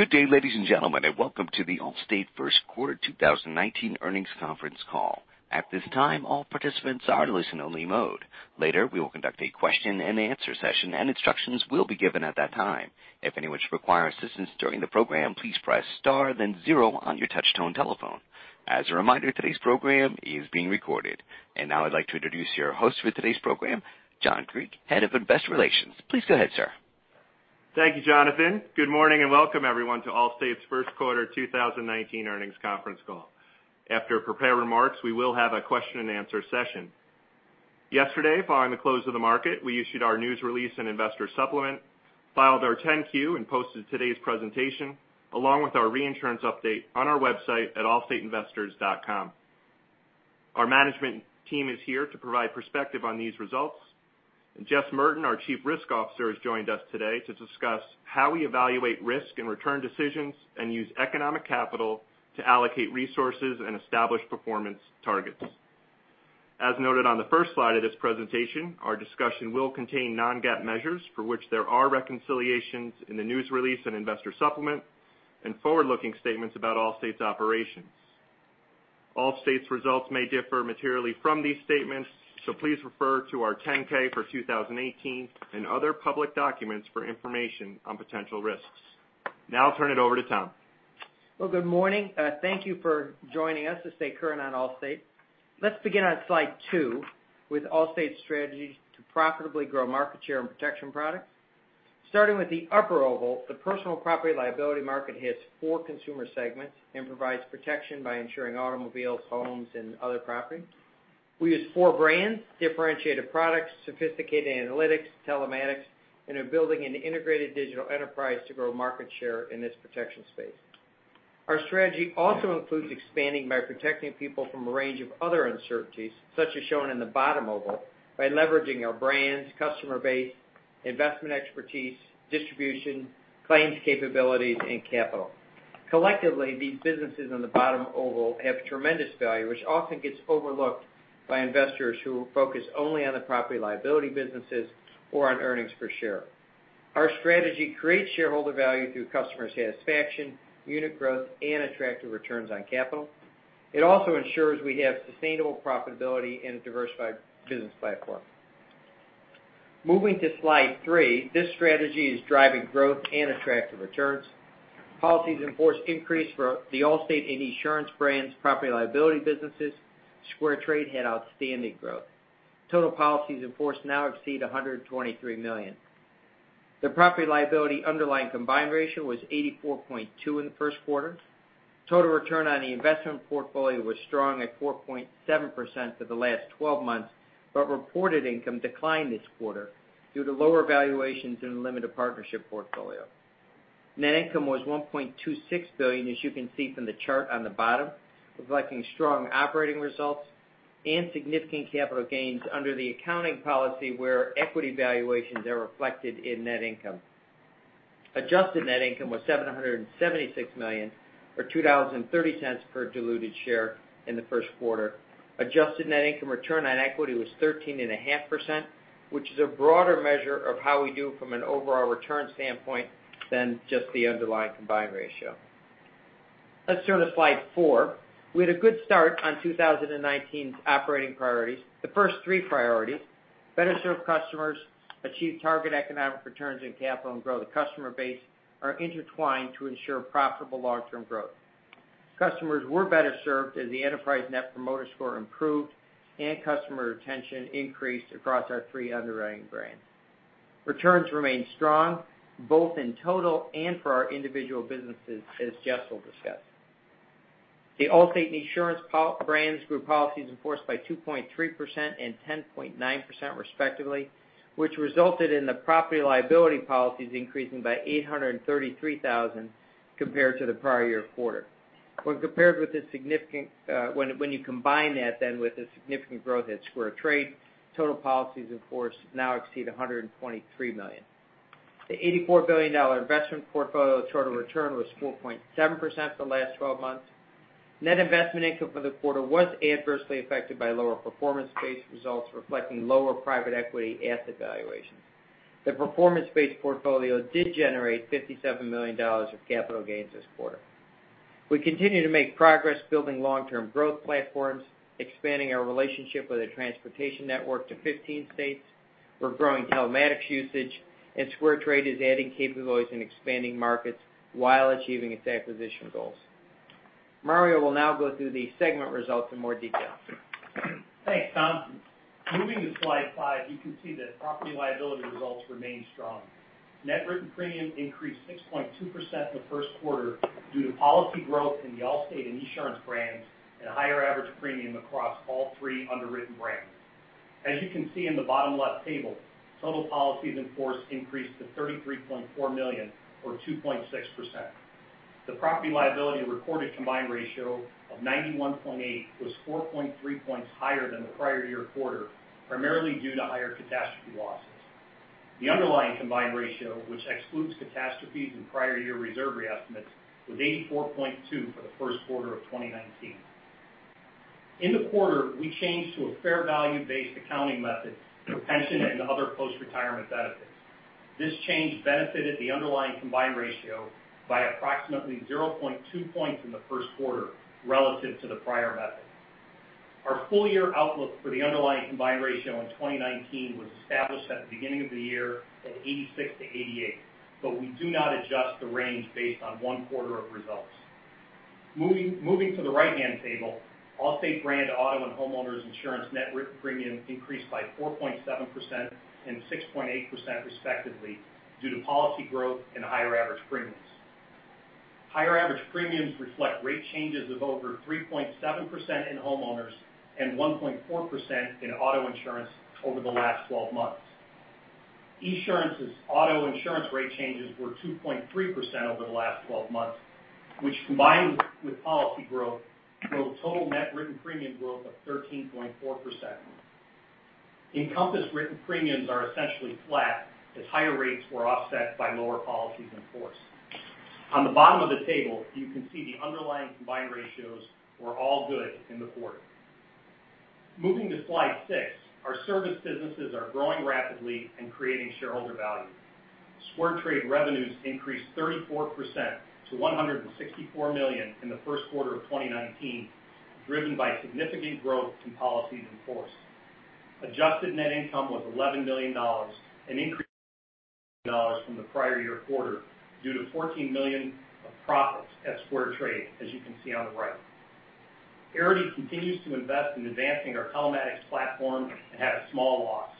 Good day, ladies and gentlemen, and welcome to the Allstate first quarter 2019 earnings conference call. At this time, all participants are in listen only mode. Later, we will conduct a question and answer session, and instructions will be given at that time. If anyone should require assistance during the program, please press star then zero on your touchtone telephone. As a reminder, today's program is being recorded. Now I'd like to introduce your host for today's program, John Griek, Head of Investor Relations. Please go ahead, sir. Thank you, Jonathan. Good morning, and welcome everyone to Allstate's first quarter 2019 earnings conference call. After prepared remarks, we will have a question and answer session. Yesterday, following the close of the market, we issued our news release and investor supplement, filed our 10-Q, and posted today's presentation along with our reinsurance update on our website at allstateinvestors.com. Our management team is here to provide perspective on these results, and Jess Merten, our Chief Risk Officer, has joined us today to discuss how we evaluate risk and return decisions and use economic capital to allocate resources and establish performance targets. As noted on the first slide of this presentation, our discussion will contain non-GAAP measures for which there are reconciliations in the news release and investor supplement, and forward-looking statements about Allstate's operations. Allstate's results may differ materially from these statements, please refer to our 10-K for 2018 and other public documents for information on potential risks. Now I'll turn it over to Tom. Good morning. Thank you for joining us to stay current on Allstate. Let's begin on slide two with Allstate's strategy to profitably grow market share and protection products. Starting with the upper oval, the personal property liability market hits four consumer segments and provides protection by insuring automobiles, homes, and other property. We use four brands, differentiated products, sophisticated analytics, telematics, and are building an integrated digital enterprise to grow market share in this protection space. Our strategy also includes expanding by protecting people from a range of other uncertainties, such as shown in the bottom oval, by leveraging our brands, customer base, investment expertise, distribution, claims capabilities, and capital. Collectively, these businesses in the bottom oval have tremendous value, which often gets overlooked by investors who focus only on the property liability businesses or on earnings per share. Our strategy creates shareholder value through customer satisfaction, unit growth, and attractive returns on capital. It also ensures we have sustainable profitability in a diversified business platform. Moving to slide three, this strategy is driving growth and attractive returns. Policies in force increased for the Allstate and Esurance brands property and liability businesses. SquareTrade had outstanding growth. Total policies in force now exceed 123 million. The property and liability underlying combined ratio was 84.2% in the first quarter. Total return on the investment portfolio was strong at 4.7% for the last 12 months, but reported income declined this quarter due to lower valuations in the limited partnership portfolio. Net income was $1.26 billion, as you can see from the chart on the bottom, reflecting strong operating results and significant capital gains under the accounting policy where equity valuations are reflected in net income. Adjusted net income was $776 million or $2.30 per diluted share in the first quarter. Adjusted net income return on equity was 13.5%, which is a broader measure of how we do from an overall return standpoint than just the underlying combined ratio. Let's turn to slide four. We had a good start on 2019's operating priorities. The first three priorities, better serve customers, achieve target economic returns on capital, and grow the customer base are intertwined to ensure profitable long-term growth. Customers were better served as the enterprise Net Promoter Score improved and customer retention increased across our three underwriting brands. Returns remained strong both in total and for our individual businesses, as Jess will discuss. The Allstate and Esurance brands grew policies in force by 2.3% and 10.9% respectively, which resulted in the property and liability policies increasing by 833,000 compared to the prior year quarter. When you combine that with the significant growth at SquareTrade, total policies in force now exceed 123 million. The $84 billion investment portfolio total return was 4.7% for the last 12 months. Net investment income for the quarter was adversely affected by lower performance-based results, reflecting lower private equity asset valuations. The performance-based portfolio did generate $57 million of capital gains this quarter. We continue to make progress building long-term growth platforms, expanding our relationship with the transportation network to 15 states. We're growing telematics usage, and SquareTrade is adding capabilities and expanding markets while achieving its acquisition goals. Mario will now go through the segment results in more detail. Thanks, Tom. Moving to slide five, you can see that property and liability results remain strong. Net written premium increased 6.2% in the first quarter due to policy growth in the Allstate and Esurance brands and higher average premium across all three underwritten brands. As you can see in the bottom left table, total policies in force increased to 33.4 million or 2.6%. The property and liability recorded combined ratio of 91.8% was 4.3 points higher than the prior year quarter, primarily due to higher catastrophe losses. The underlying combined ratio, which excludes catastrophes and prior year reserve re-estimates, was 84.2% for the first quarter of 2019. In the quarter, we changed to a fair value-based accounting method for pension and other post-retirement benefits. This change benefited the underlying combined ratio by approximately 0.2 points in the first quarter relative to the prior method. Our full-year outlook for the underlying combined ratio in 2019 was established at the beginning of the year at 86%-88%, we do not adjust the range based on one quarter of results. Moving to the right-hand table, Allstate brand auto and homeowners insurance net written premium increased by 4.7% and 6.8% respectively, due to policy growth and higher average premiums. Higher average premiums reflect rate changes of over 3.7% in homeowners and 1.4% in auto insurance over the last 12 months. Esurance's auto insurance rate changes were 2.3% over the last 12 months, which combined with policy growth, drove total net written premium growth of 13.4%. Encompass written premiums are essentially flat, as higher rates were offset by lower policies in force. On the bottom of the table, you can see the underlying combined ratios were all good in the quarter. Moving to slide six, our service businesses are growing rapidly and creating shareholder value. SquareTrade revenues increased 34% to $164 million in the first quarter of 2019, driven by significant growth in policies in force. Adjusted net income was $11 million, an increase of $1 million from the prior year quarter due to $14 million of profits at SquareTrade, as you can see on the right. Arity continues to invest in advancing our telematics platform and had a small loss.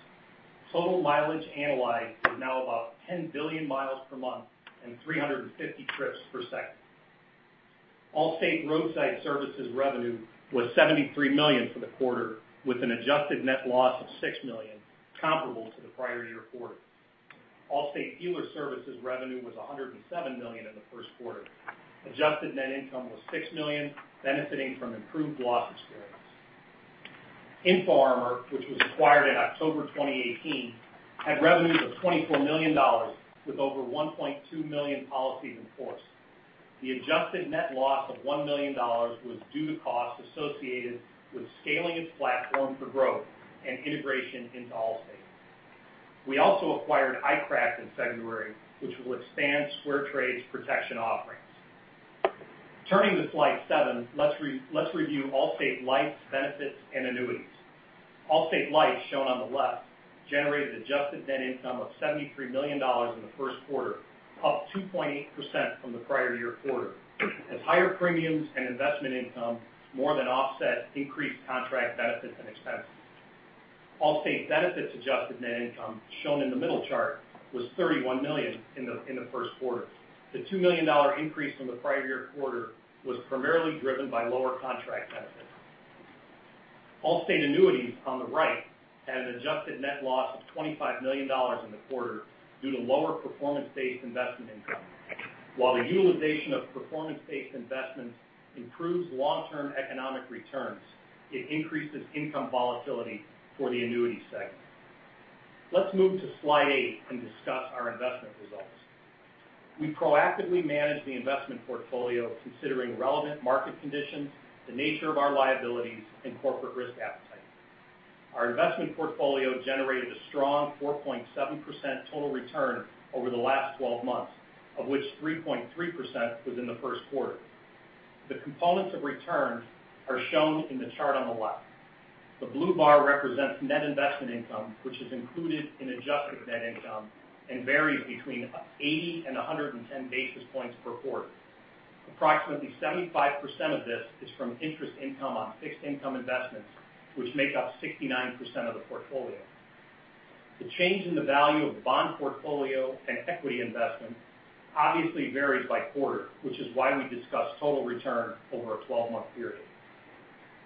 Total mileage analyzed is now about 10 billion miles per month and 350 trips per second. Allstate Roadside Services revenue was $73 million for the quarter, with an adjusted net loss of $6 million, comparable to the prior year quarter. Allstate Dealer Services revenue was $107 million in the first quarter. Adjusted net income was $6 million, benefiting from improved loss experience. InfoArmor, which was acquired in October 2018, had revenues of $24 million with over 1.2 million policies in force. The adjusted net loss of $1 million was due to costs associated with scaling its platform for growth and integration into Allstate. We also acquired iCracked in February, which will expand SquareTrade's protection offerings. Turning to slide seven, let's review Allstate Life's benefits and annuities. Allstate Life, shown on the left, generated adjusted net income of $73 million in the first quarter, up 2.8% from the prior year quarter, as higher premiums and investment income more than offset increased contract benefits and expenses. Allstate Benefits adjusted net income, shown in the middle chart, was $31 million in the first quarter. The $2 million increase from the prior year quarter was primarily driven by lower contract benefits. Allstate Annuities, on the right, had an adjusted net loss of $25 million in the quarter due to lower performance-based investment income. While the utilization of performance-based investments improves long-term economic returns, it increases income volatility for the annuity segment. Let's move to slide eight and discuss our investment results. We proactively manage the investment portfolio considering relevant market conditions, the nature of our liabilities, and corporate risk appetite. Our investment portfolio generated a strong 4.7% total return over the last 12 months, of which 3.3% was in the first quarter. The components of return are shown in the chart on the left. The blue bar represents net investment income, which is included in adjusted net income and varies between 80 and 110 basis points per quarter. Approximately 75% of this is from interest income on fixed income investments, which make up 69% of the portfolio. The change in the value of the bond portfolio and equity investment obviously varies by quarter, which is why we discuss total return over a 12-month period.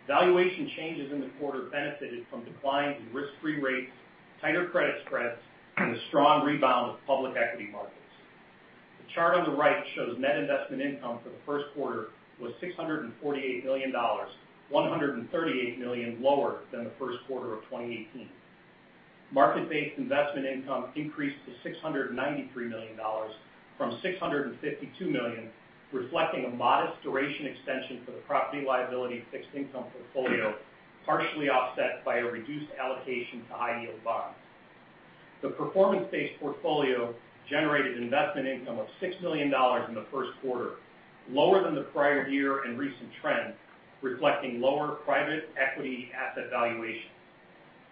Valuation changes in the quarter benefited from declines in risk-free rates, tighter credit spreads, and a strong rebound of public equity markets. The chart on the right shows net investment income for the first quarter was $648 million, $138 million lower than the first quarter of 2018. Market-based investment income increased to $693 million from $652 million, reflecting a modest duration extension for the property liability fixed income portfolio, partially offset by a reduced allocation to high-yield bonds. The performance-based portfolio generated investment income of $6 million in the first quarter, lower than the prior year and recent trends, reflecting lower private equity asset valuations.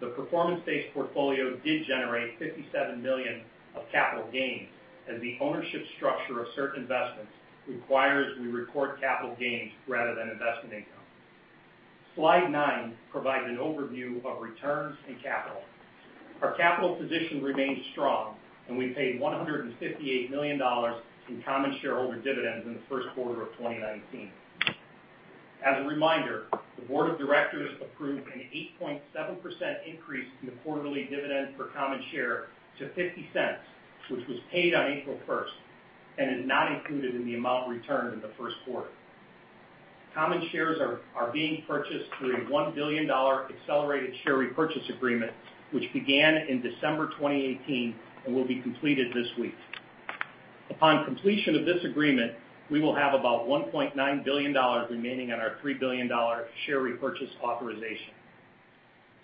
The performance-based portfolio did generate $57 million of capital gains, as the ownership structure of certain investments requires we record capital gains rather than investment income. Slide 9 provides an overview of returns and capital. Our capital position remains strong, and we paid $158 million in common shareholder dividends in the first quarter of 2019. As a reminder, the board of directors approved an 8.7% increase in the quarterly dividend per common share to $0.50, which was paid on April 1st and is not included in the amount returned in the first quarter. Common shares are being purchased through a $1 billion accelerated share repurchase agreement, which began in December 2018 and will be completed this week. Upon completion of this agreement, we will have about $1.9 billion remaining on our $3 billion share repurchase authorization.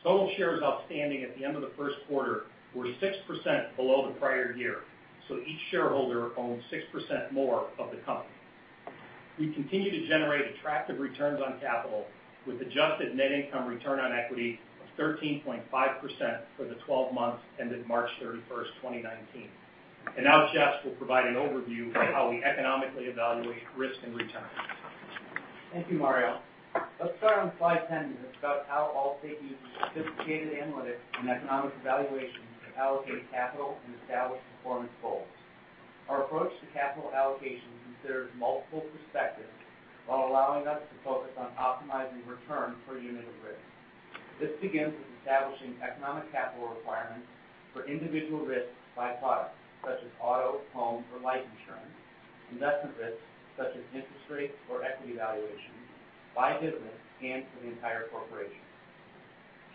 Total shares outstanding at the end of the first quarter were 6% below the prior year, so each shareholder owns 6% more of the company. We continue to generate attractive returns on capital, with adjusted net income return on equity of 13.5% for the 12 months ended March 31st, 2019. Now Jess will provide an overview of how we economically evaluate risk and return. Thank you, Mario. Let's start on slide 10. It's about how Allstate uses sophisticated analytics and economic evaluations to allocate capital and establish performance goals. Our approach to capital allocation considers multiple perspectives while allowing us to focus on optimizing return per unit of risk. This begins with establishing economic capital requirements for individual risk by product, such as auto, home, or life insurance, investment risks such as interest rates or equity valuations, by business, and for the entire corporation.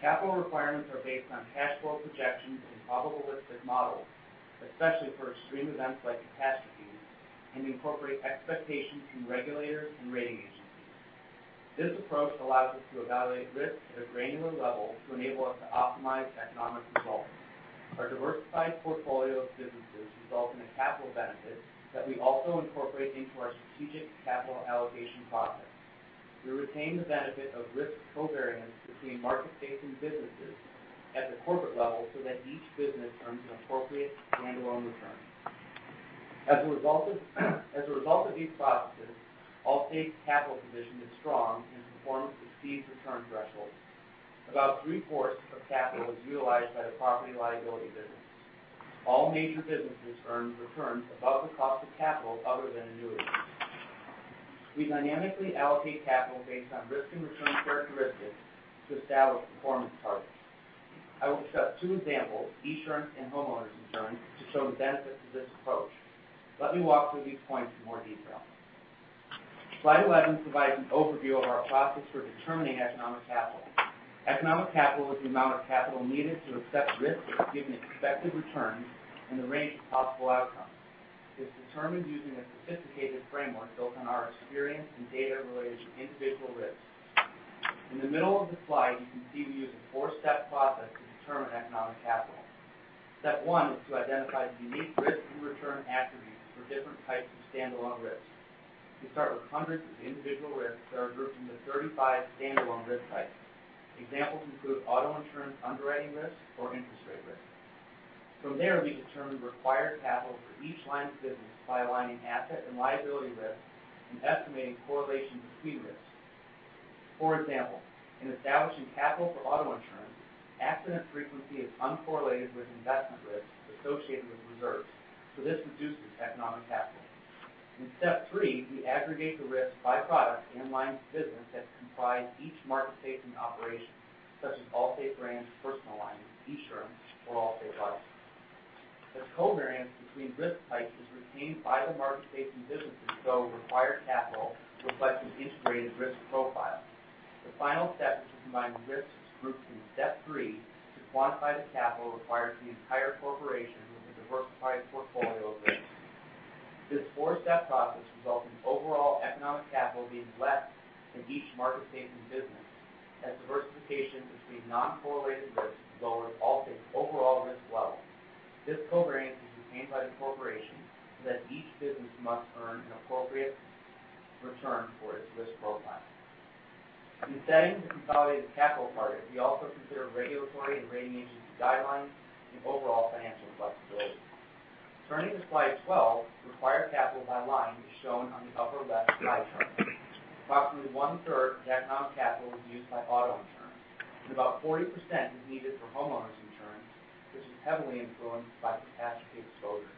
Capital requirements are based on cash flow projections and probabilistic models, especially for extreme events like catastrophes, and incorporate expectations from regulators and rating agencies. This approach allows us to evaluate risk at a granular level to enable us to optimize economic results. Our diversified portfolio of businesses result in a capital benefit that we also incorporate into our strategic capital allocation process. We retain the benefit of risk covariance between market-facing businesses at the corporate level so that each business earns an appropriate standalone return. As a result of these processes, Allstate's capital position is strong and performs exceeds return thresholds. About three-fourths of capital is utilized by the property liability business. All major businesses earned returns above the cost of capital other than annuities. We dynamically allocate capital based on risk and return characteristics to establish performance targets. I will discuss two examples, Esurance and homeowners insurance, to show the benefits of this approach. Let me walk through these points in more detail. Slide 11 provides an overview of our process for determining economic capital. Economic capital is the amount of capital needed to accept risk given expected returns and the range of possible outcomes. It's determined using a sophisticated framework built on our experience and data related to individual risks. In the middle of the slide, you can see we use a four-step process to determine economic capital. Step 1 is to identify the unique risk and return attributes for different types of standalone risks. We start with hundreds of individual risks that are grouped into 35 standalone risk types. Examples include auto insurance underwriting risk or interest rate risk. From there, we determine the required capital for each line of business by aligning asset and liability risk and estimating correlation between risks. For example, in establishing capital for auto insurance, accident frequency is uncorrelated with investment risk associated with reserves, so this reduces economic capital. In step 3, we aggregate the risk by product and line of business that comprise each market-facing operation, such as Allstate brands, personal lines, Esurance or Allstate Life. The covariance between risk types is retained by the market-facing businesses, required capital reflects an integrated risk profile. The final step is to combine risks grouped in step 3 to quantify the capital required for the entire corporation with a diversified portfolio of risks. This four-step process results in overall economic capital being less than each market-facing business, as diversification between non-correlated risks lowers Allstate's overall risk level. This covariance is retained by the corporation so that each business must earn an appropriate return for its risk profile. In setting the consolidated capital target, we also consider regulatory and rating agency guidelines and overall financial flexibility. Turning to slide 12, required capital by line is shown on the upper-left pie chart. Approximately one-third of economic capital is used by auto insurance and about 40% is needed for homeowners insurance, which is heavily influenced by catastrophe exposure.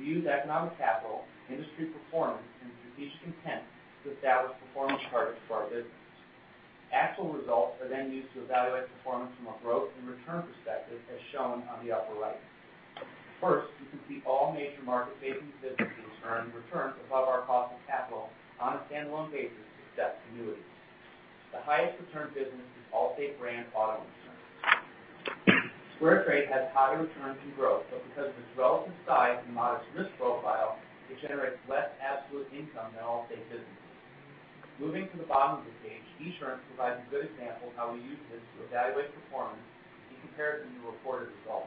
We use economic capital, industry performance, and strategic intent to establish performance targets for our business. Actual results are then used to evaluate performance from a growth and return perspective, as shown on the upper right. First, you can see all major market-facing businesses earn returns above our cost of capital on a standalone basis except annuities. The highest return business is Allstate brand auto insurance. SquareTrade has higher returns and growth, but because of its relative size and modest risk profile, it generates less absolute income than Allstate businesses. Moving to the bottom of the page, Esurance provides a good example of how we use this to evaluate performance and compare it to new reported results.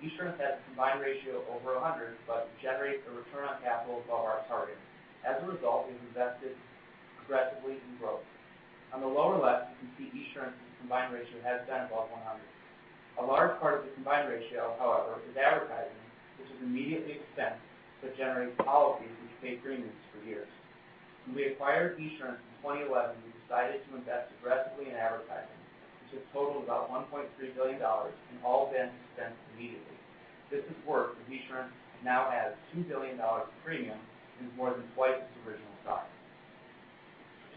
Esurance has a combined ratio over 100 but generates a return on capital above our target. As a result, we've invested aggressively in growth. On the lower left, you can see Esurance's combined ratio has been above 100. A large part of the combined ratio, however, is advertising, which is immediately expensed but generates policies which pay premiums for years. When we acquired Esurance in 2011, we decided to invest aggressively in advertising, which has totaled about $1.3 billion and all been expensed immediately. This has worked, as Esurance now has $2 billion in premiums and is more than twice its original size.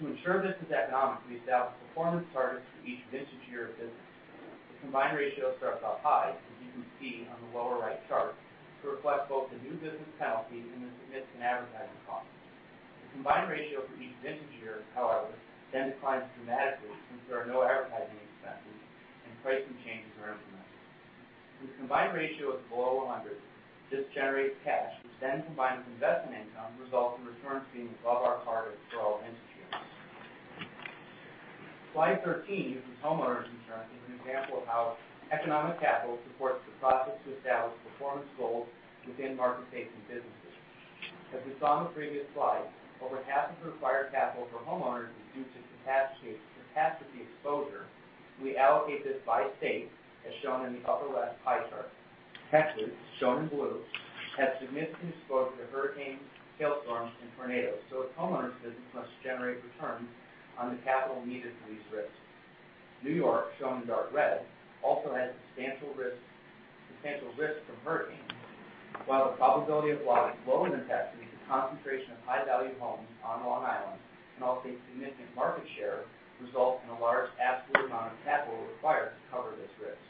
To ensure this is economic, we established performance targets for each vintage year of business. The combined ratio starts off high, as you can see on the lower right chart, to reflect both the new business penalties and the significant advertising costs. Combined ratio for each vintage year, however, declines dramatically since there are no advertising expenses and pricing changes are implemented. The combined ratio is below 100. This generates cash, which then combined with investment income, results in returns being above our targets for all vintage years. Slide 13 uses homeowners insurance as an example of how economic capital supports the process to establish performance goals within market-facing businesses. As we saw on the previous slide, over half of the required capital for homeowners is due to catastrophe exposure. We allocate this by state, as shown in the upper left pie chart. Texas, shown in blue, has significant exposure to hurricanes, hailstorms, and tornadoes, so its homeowners business must generate returns on the capital needed for these risks. New York, shown in dark red, also has substantial risk from hurricanes. While the probability of loss is low in the catastrophe, the concentration of high-value homes on Long Island, and Allstate's significant market share results in a large absolute amount of capital required to cover this risk.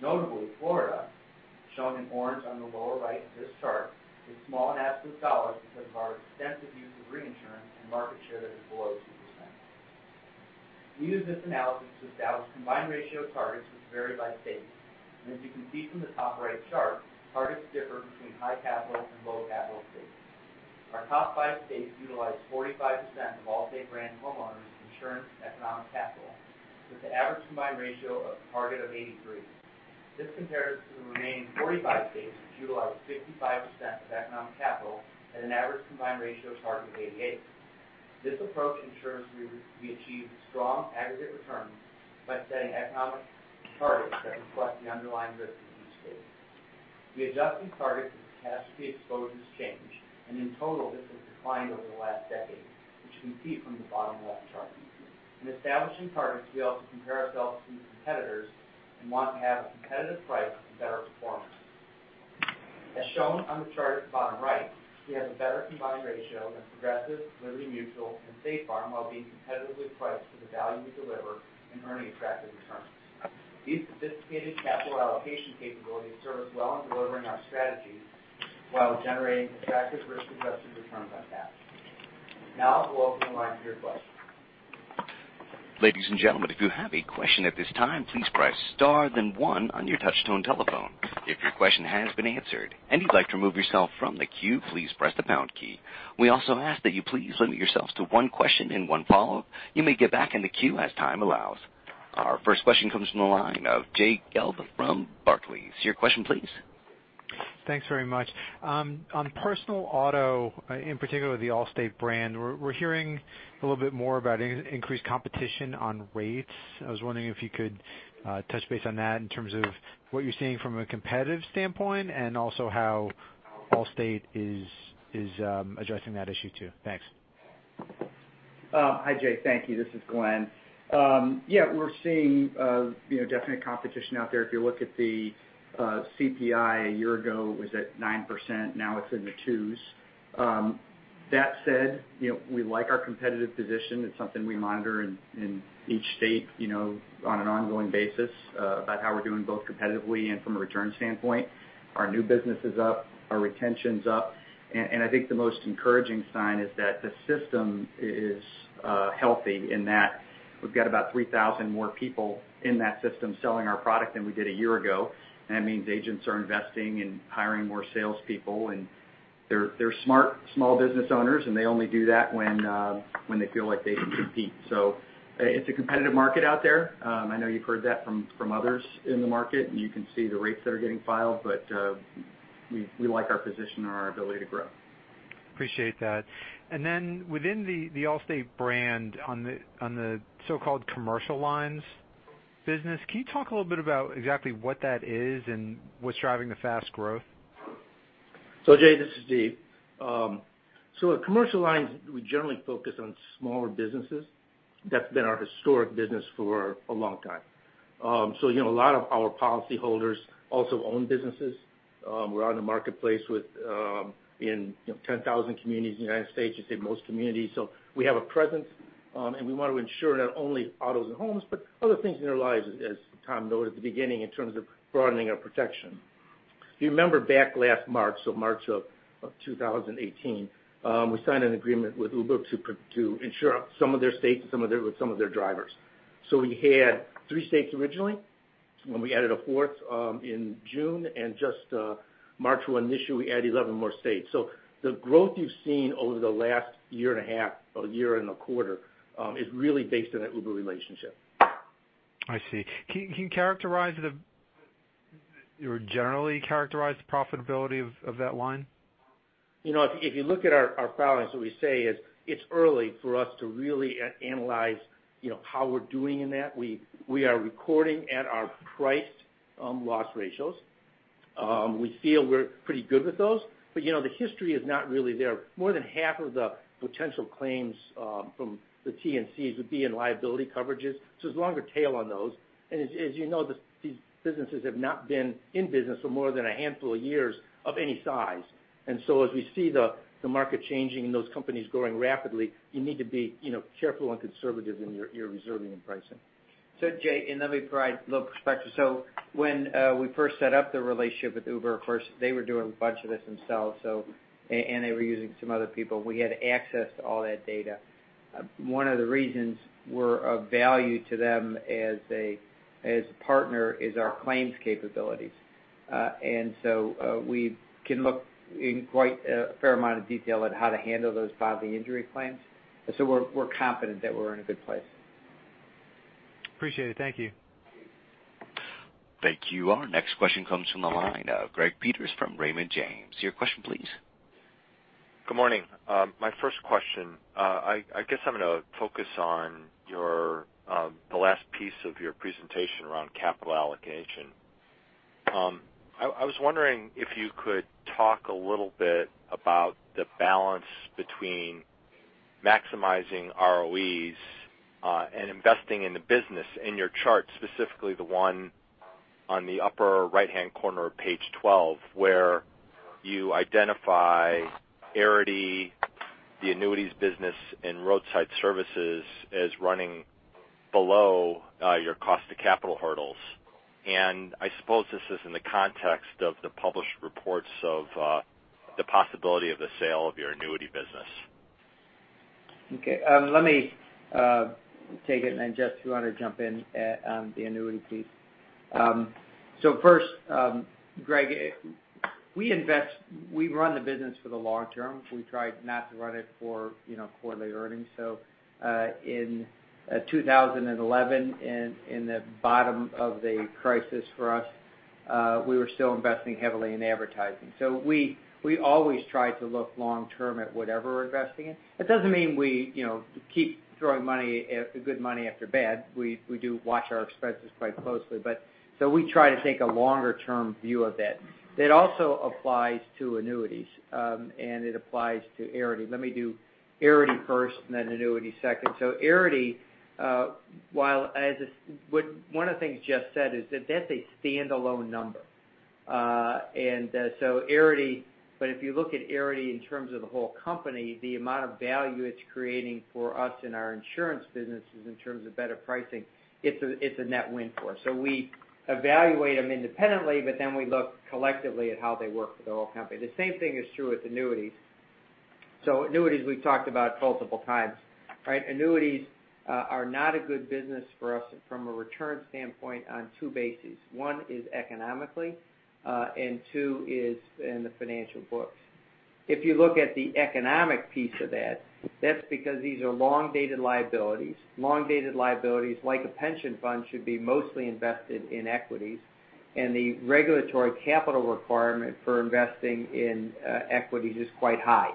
Notably, Florida, shown in orange on the lower right of this chart, is small in absolute dollars because of our extensive use of reinsurance and market share that is below 2%. We use this analysis to establish combined ratio targets, which vary by state. As you can see from the top right chart, targets differ between high-capital and low-capital states. Our top five states utilize 45% of Allstate Brand homeowners insurance economic capital, with an average combined ratio target of 83. This compares to the remaining 45 states, which utilize 55% of economic capital at an average combined ratio target of 88. This approach ensures we achieve strong aggregate returns by setting economic targets that reflect the underlying risk in each state. We adjusted targets as catastrophe exposures change, and in total, this has declined over the last decade, which you can see from the bottom left chart. In establishing targets, we also compare ourselves to competitors and want to have a competitive price and better performance. As shown on the chart at the bottom right, we have a better combined ratio than Progressive, Liberty Mutual, and State Farm, while being competitively priced for the value we deliver in earning attractive returns. These sophisticated capital allocation capabilities serve us well in delivering our strategies while generating attractive risk-adjusted returns on capital. We'll open the line for your questions. Ladies and gentlemen, if you have a question at this time, please press star then one on your touch-tone telephone. If your question has been answered and you'd like to remove yourself from the queue, please press the pound key. We also ask that you please limit yourselves to one question and one follow-up. You may get back in the queue as time allows. Our first question comes from the line of Jay Gelb from Barclays. Your question, please. Thanks very much. On personal auto, in particular the Allstate brand, we're hearing a little bit more about increased competition on rates. I was wondering if you could touch base on that in terms of what you're seeing from a competitive standpoint, and also how Allstate is addressing that issue too. Thanks. Hi, Jay. Thank you. This is Glenn. Yeah, we're seeing definite competition out there. If you look at the CPI a year ago, it was at 9%, now it's in the twos. That said, we like our competitive position. It's something we monitor in each state on an ongoing basis, about how we're doing both competitively and from a return standpoint. Our new business is up, our retention's up. I think the most encouraging sign is that the system is healthy in that we've got about 3,000 more people in that system selling our product than we did a year ago. That means agents are investing and hiring more salespeople, and they're smart, small business owners, and they only do that when they feel like they can compete. It's a competitive market out there. I know you've heard that from others in the market, and you can see the rates that are getting filed, but we like our position and our ability to grow. Appreciate that. Then within the Allstate brand on the so-called commercial lines business, can you talk a little bit about exactly what that is and what's driving the fast growth? Jay, this is Dave. With commercial lines, we generally focus on smaller businesses. That's been our historic business for a long time. A lot of our policyholders also own businesses. We're out in the marketplace in 10,000 communities in the U.S. You'd say most communities. We have a presence, and we want to insure not only autos and homes, but other things in their lives, as Tom noted at the beginning, in terms of broadening our protection. If you remember back last March of 2018, we signed an agreement with Uber to insure up some of their states with some of their drivers. We had three states originally, then we added a fourth in June, and just March 1 this year, we added 11 more states. The growth you've seen over the last year and a half or year and a quarter is really based on that Uber relationship. I see. Can you generally characterize the profitability of that line? If you look at our filings, what we say is it's early for us to really analyze how we're doing in that. We are recording at our priced loss ratios. We feel we're pretty good with those. The history is not really there. More than half of the potential claims from the TNCs would be in liability coverages, so there's a longer tail on those. As you know, these businesses have not been in business for more than a handful of years of any size. As we see the market changing and those companies growing rapidly, you need to be careful and conservative in your reserving and pricing. Jay, let me provide a little perspective. When we first set up the relationship with Uber, of course, they were doing a bunch of this themselves, and they were using some other people. We had access to all that data. One of the reasons we're of value to them as a partner is our claims capabilities. We can look in quite a fair amount of detail at how to handle those bodily injury claims. We're confident that we're in a good place. Appreciate it. Thank you. Thank you. Our next question comes from the line of Greg Peters from Raymond James. Your question, please. Good morning. My first question, I guess I'm going to focus on the last piece of your presentation around capital allocation. I was wondering if you could talk a little bit about the balance between maximizing ROEs, and investing in the business in your chart, specifically the one on the upper right-hand corner of page 12, where you identify Arity, the annuities business, and roadside services as running below your cost to capital hurdles. I suppose this is in the context of the published reports of the possibility of the sale of your annuity business. Okay. Let me take it and then Jeff, if you want to jump in on the annuity piece. First, Greg, we run the business for the long term. We try not to run it for quarterly earnings. In 2011, in the bottom of the crisis for us, we were still investing heavily in advertising. We always try to look long term at whatever we're investing in. It doesn't mean we keep throwing good money after bad. We do watch our expenses quite closely, so we try to take a longer-term view of it. That also applies to annuities, and it applies to Arity. Let me do Arity first and then annuity second. Arity, one of the things Jeff said is that that's a standalone number. If you look at Arity in terms of the whole company, the amount of value it's creating for us in our insurance business is in terms of better pricing, it's a net win for us. We evaluate them independently, but then we look collectively at how they work for the whole company. The same thing is true with annuities. Annuities, we've talked about multiple times, right? Annuities are not a good business for us from a return standpoint on two bases. One is economically, and two is in the financial books. If you look at the economic piece of that's because these are long-dated liabilities. Long-dated liabilities, like a pension fund, should be mostly invested in equities, and the regulatory capital requirement for investing in equities is quite high.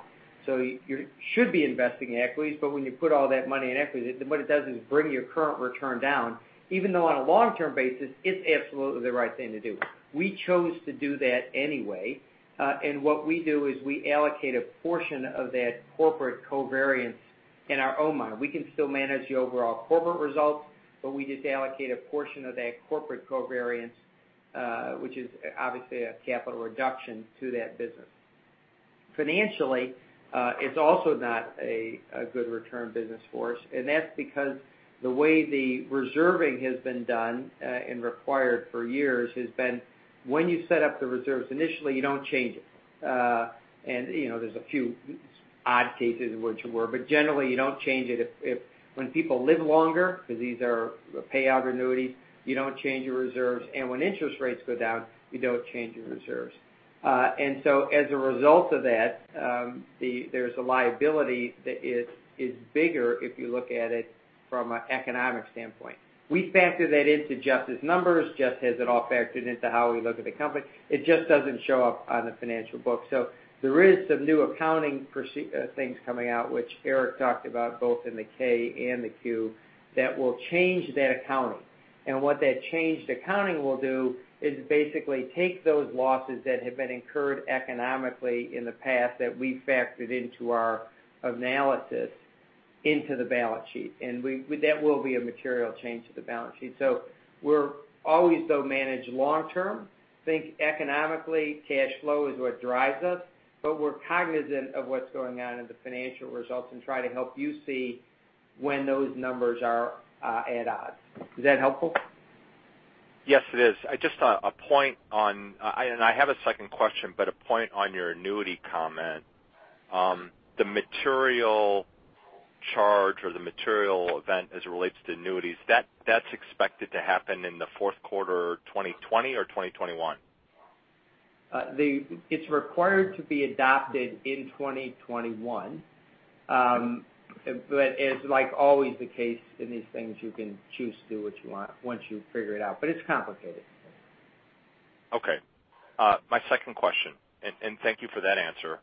You should be investing in equities, but when you put all that money in equities, then what it does is bring your current return down, even though on a long-term basis, it's absolutely the right thing to do. We chose to do that anyway. What we do is we allocate a portion of that corporate covariance in our own mind. We can still manage the overall corporate results, but we just allocate a portion of that corporate covariance, which is obviously a capital reduction to that business. Financially, it's also not a good return business for us, and that's because the way the reserving has been done, and required for years, has been when you set up the reserves initially, you don't change it. There's a few odd cases in which you were, but generally, you don't change it. When people live longer, because these are payout annuities, you don't change your reserves, and when interest rates go down, you don't change your reserves. As a result of that, there's a liability that is bigger if you look at it from an economic standpoint. We factor that into Jess's numbers. Jeff has it all factored into how we look at the company. It just doesn't show up on the financial books. There is some new accounting things coming out, which Eric talked about both in the K and the Q, that will change that accounting. What that changed accounting will do is basically take those losses that have been incurred economically in the past that we factored into our analysis into the balance sheet. That will be a material change to the balance sheet. We always, though, manage long term. Think economically, cash flow is what drives us, we're cognizant of what's going on in the financial results and try to help you see when those numbers are at odds. Is that helpful? Yes, it is. I have a second question, a point on your annuity comment. The material charge or the material event as it relates to annuities, that's expected to happen in the fourth quarter 2020 or 2021? It's required to be adopted in 2021. As like always the case in these things, you can choose to do what you want once you figure it out. It's complicated. Okay. Thank you for that answer.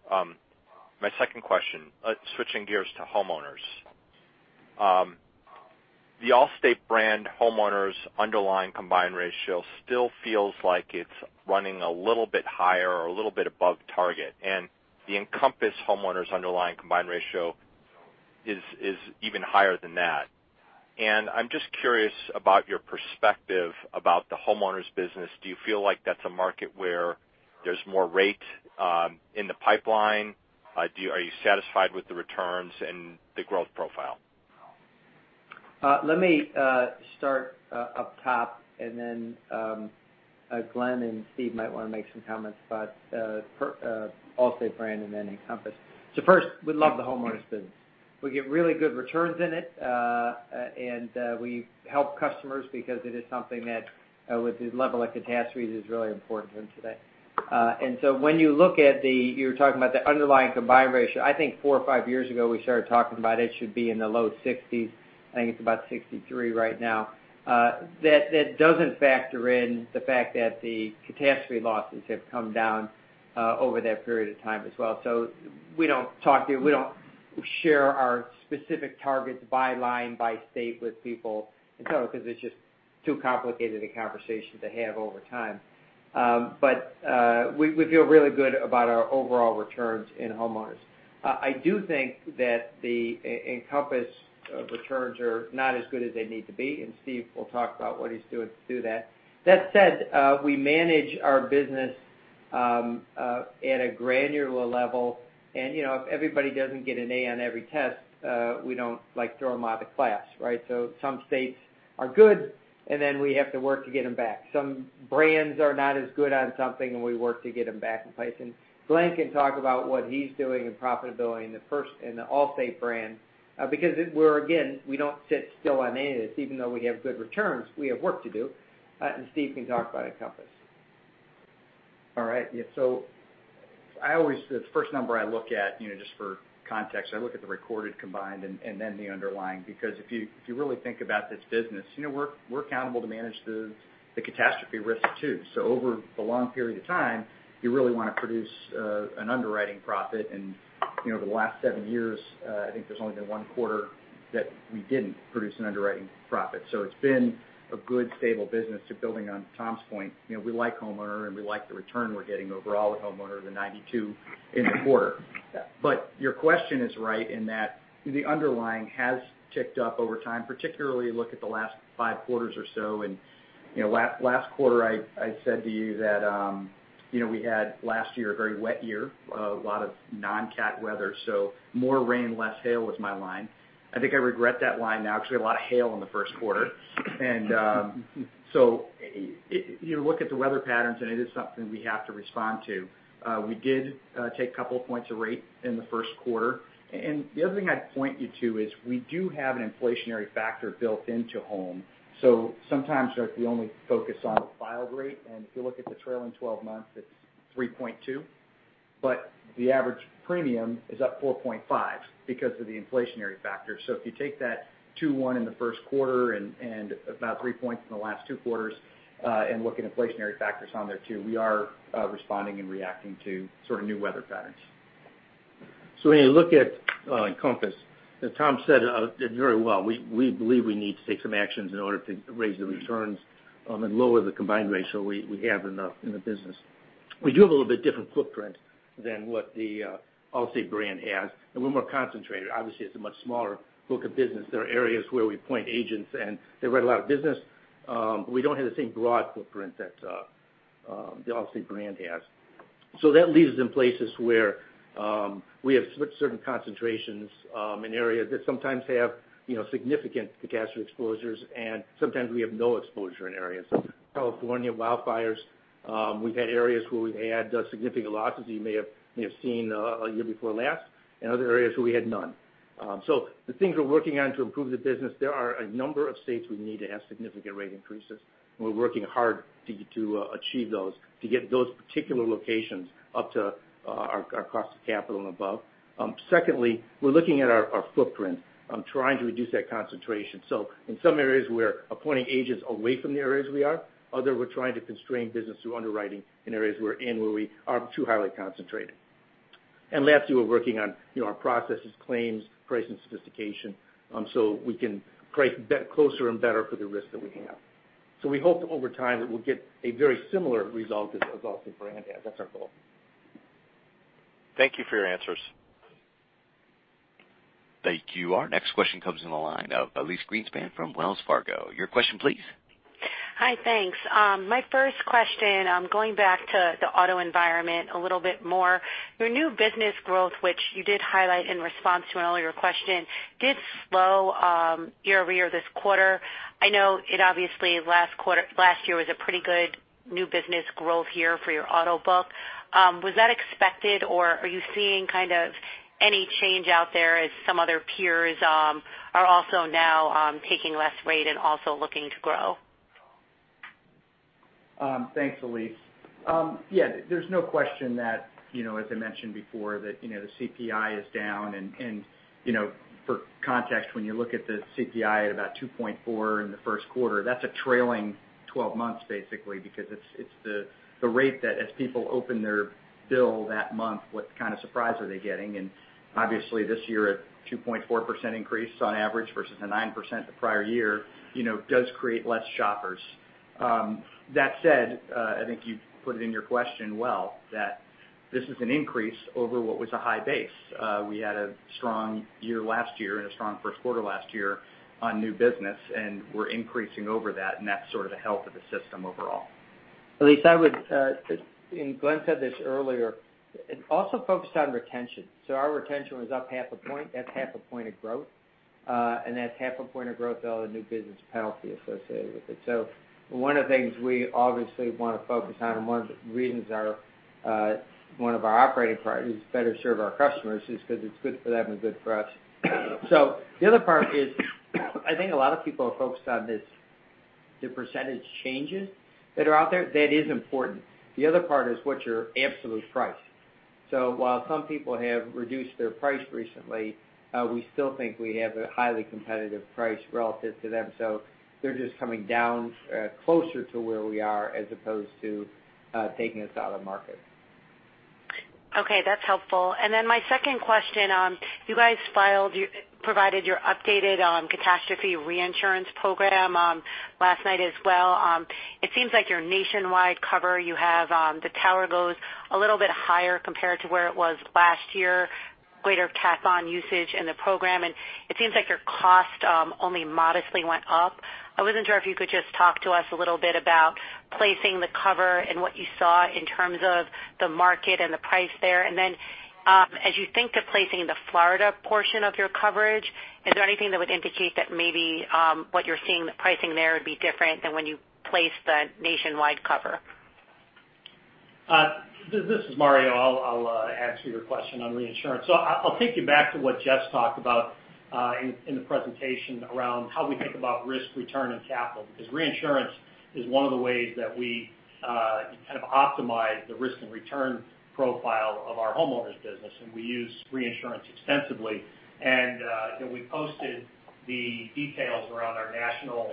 My second question, switching gears to homeowners. The Allstate brand homeowners underlying combined ratio still feels like it's running a little bit higher or a little bit above target, and the Encompass homeowners underlying combined ratio is even higher than that. I'm just curious about your perspective about the homeowners business. Do you feel like that's a market where there's more rate in the pipeline? Are you satisfied with the returns and the growth profile? Let me start up top, and then Glenn and Steve might want to make some comments about Allstate brand and then Encompass. First, we love the homeowners business. We get really good returns in it, and we help customers because it is something that, with the level of catastrophes, is really important to them today. When you look at the, you're talking about the underlying combined ratio, I think four or five years ago we started talking about it should be in the low 60s. I think it's about 63 right now. That doesn't factor in the fact that the catastrophe losses have come down over that period of time as well. We don't share our specific targets by line, by state with people in total because it's just too complicated a conversation to have over time. We feel really good about our overall returns in homeowners. I do think that the Encompass returns are not as good as they need to be, and Steve will talk about what he's doing to do that. That said, we manage our business at a granular level, and if everybody doesn't get an A on every test, we don't throw them out of class. Right? Some states are good, and then we have to work to get them back. Some brands are not as good on something, and we work to get them back in place. Glenn can talk about what he's doing in profitability in the first, in the Allstate brand because we're, again, we don't sit still on any of this. Even though we have good returns, we have work to do. Steve can talk about Encompass. All right. Yeah. The first number I look at, just for context, I look at the recorded combined and then the underlying because if you really think about this business, we're accountable to manage the catastrophe risk, too. Over the long period of time, you really want to produce an underwriting profit. The last seven years, I think there's only been one quarter that we didn't produce an underwriting profit. It's been a good, stable business to building on Tom's point. We like homeowner, and we like the return we're getting overall with homeowner, the 92 in the quarter. Yeah. Your question is right in that the underlying has ticked up over time, particularly look at the last five quarters or so. Last quarter, I said to you that we had last year a very wet year, a lot of non-cat weather. More rain, less hail was my line. I think I regret that line now because we had a lot of hail in the first quarter. You look at the weather patterns, and it is something we have to respond to. We did take a couple of points of rate in the first quarter. The other thing I'd point you to is we do have an inflationary factor built into home. Sometimes we only focus on the filed rate, and if you look at the trailing 12 months, it's 3.2%. The average premium is up 4.5% because of the inflationary factor. If you take that 2.1% in the first quarter and about three points in the last two quarters, and look at inflationary factors on there, too, we are responding and reacting to new weather patterns. When you look at Encompass, as Tom said very well, we believe we need to take some actions in order to raise the returns and lower the combined ratio we have in the business. We do have a little bit different footprint than what the Allstate brand has and we're more concentrated. Obviously, it's a much smaller book of business. There are areas where we appoint agents, and they write a lot of business. We don't have the same broad footprint that the Allstate brand has. That leaves us in places where we have certain concentrations in areas that sometimes have significant catastrophe exposures, and sometimes we have no exposure in areas. California wildfires, we've had areas where we had significant losses you may have seen a year before last, and other areas where we had none. The things we're working on to improve the business, there are a number of states we need to have significant rate increases. We're working hard to achieve those to get those particular locations up to our cost of capital and above. Secondly, we're looking at our footprint trying to reduce that concentration. In some areas, we're appointing agents away from the areas we are. Other, we're trying to constrain business through underwriting in areas we're in where we are too highly concentrated. Lastly, we're working on our processes, claims, price, and sophistication so we can price closer and better for the risk that we have. We hope that over time it will get a very similar result as Allstate brand has. That's our goal. Thank you for your answers. Thank you. Our next question comes on the line of Elyse Greenspan from Wells Fargo. Your question, please. Hi. Thanks. My first question, going back to the auto environment a little bit more. Your new business growth, which you did highlight in response to an earlier question, did slow year-over-year this quarter. I know it obviously last year was a pretty good new business growth year for your auto book. Was that expected, or are you seeing any change out there as some other peers are also now taking less rate and also looking to grow? Thanks, Elyse. Yeah, there's no question that, as I mentioned before, that the CPI is down. For context, when you look at the CPI at about 2.4% in the first quarter, that's a trailing 12 months basically because it's the rate that as people open their bill that month, what kind of surprise are they getting? Obviously, this year, a 2.4% increase on average versus the 9% the prior year does create less shoppers. That said, I think you put it in your question well, that this is an increase over what was a high base. We had a strong year last year and a strong first quarter last year on new business, and we're increasing over that, and that's sort of the health of the system overall. Elyse, I would, and Glenn said this earlier, also focus on retention. Our retention was up half a point, that's half a point of growth, and that's half a point of growth with all the new business penalty associated with it. One of the things we obviously want to focus on, and one of the reasons one of our operating priorities is better serve our customers is because it's good for them and good for us. The other part is, I think a lot of people are focused on the percentage changes that are out there. That is important. The other part is what's your absolute price. While some people have reduced their price recently, we still think we have a highly competitive price relative to them. They're just coming down closer to where we are as opposed to taking us out of the market. Okay. That's helpful. My second question, you guys provided your updated catastrophe reinsurance program last night as well. It seems like your nationwide cover you have, the tower goes a little higher compared to where it was last year, greater cat bond usage in the program, and it seems like your cost only modestly went up. I wasn't sure if you could just talk to us a little bit about placing the cover and what you saw in terms of the market and the price there. As you think of placing the Florida portion of your coverage, is there anything that would indicate that maybe what you're seeing the pricing there would be different than when you place the nationwide cover? This is Mario. I'll answer your question on reinsurance. I'll take you back to what Jeff talked about in the presentation around how we think about risk return on capital, because reinsurance is one of the ways that we kind of optimize the risk and return profile of our homeowners business, and we use reinsurance extensively. We posted the details around our national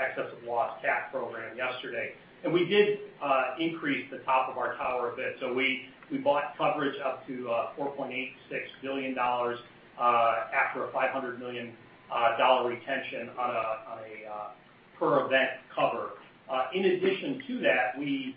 excess of loss cat program yesterday. We did increase the top of our tower a bit. We bought coverage up to $4.86 billion after a $500 million retention on a per event cover. In addition to that, we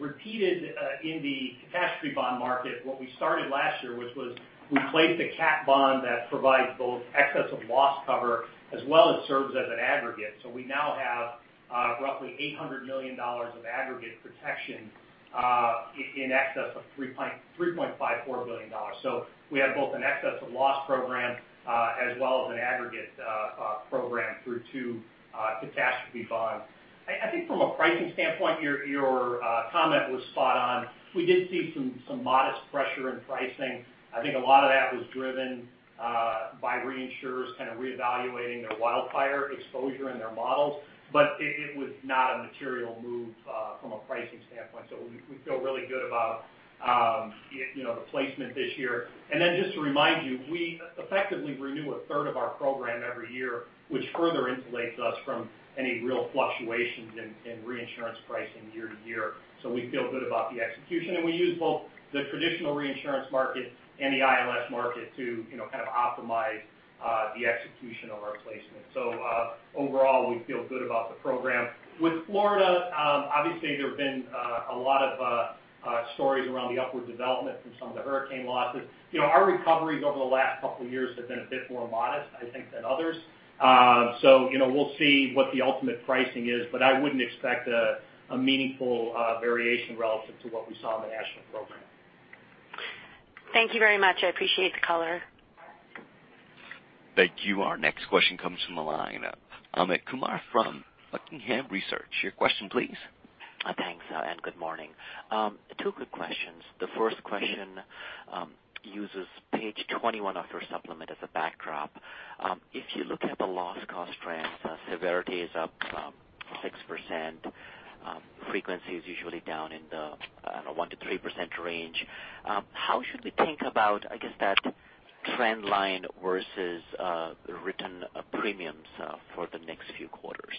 repeated, in the catastrophe bond market, what we started last year, which was we placed a cat bond that provides both excess of loss cover as well as serves as an aggregate. We now have roughly $800 million of aggregate protection in excess of $3.54 billion. We have both an excess of loss program, as well as an aggregate program through two catastrophe bonds. I think from a pricing standpoint, your comment was spot on. We did see some modest pressure in pricing. I think a lot of that was driven by reinsurers kind of reevaluating their wildfire exposure in their models. It was not a material move from a pricing standpoint. We feel really good about the placement this year. Just to remind you, we effectively renew a third of our program every year, which further insulates us from any real fluctuations in reinsurance pricing year to year. We feel good about the execution, and we use both the traditional reinsurance market and the ILS market to kind of optimize the execution of our placement. Overall, we feel good about the program. With Florida, obviously, there have been a lot of stories around the upward development from some of the hurricane losses. Our recoveries over the last couple of years have been a bit more modest, I think, than others. We will see what the ultimate pricing is, but I wouldn't expect a meaningful variation relative to what we saw in the national program. Thank you very much. I appreciate the color. Thank you. Our next question comes from the line of Amit Kumar from Buckingham Research. Your question, please. Thanks. Good morning. Two quick questions. The first question uses page 21 of your supplement as a backdrop. If you look at the loss cost trends, severity is up 6%, frequency is usually down in the, I don't know, 1%-3% range. How should we think about, I guess, that trend line versus written premiums for the next few quarters?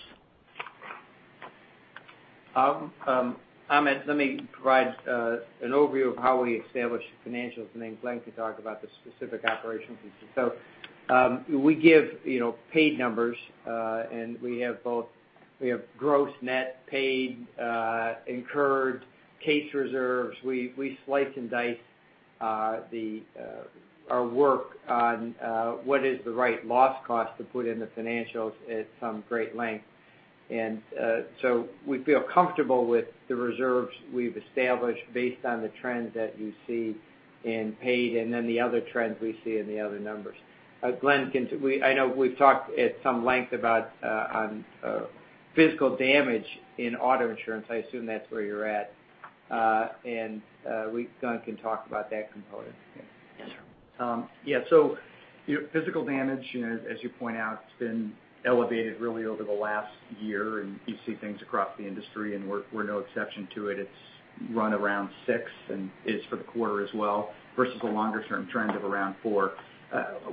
Amit, let me provide an overview of how we establish financials. Then Glenn can talk about the specific operations. We give paid numbers, and we have both gross net paid, incurred, case reserves. We slice and dice our work on what is the right loss cost to put in the financials at some great length. We feel comfortable with the reserves we've established based on the trends that you see in paid and then the other trends we see in the other numbers. Glenn, I know we've talked at some length about physical damage in auto insurance. I assume that's where you're at. Glenn can talk about that component. Yes, sir. Physical damage, as you point out, has been elevated really over the last year, and you see things across the industry, and we're no exception to it. It's run around six, and is for the quarter as well, versus the longer-term trend of around four.